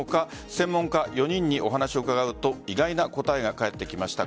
専門家４人にお話を伺うと意外な答えが返ってきました。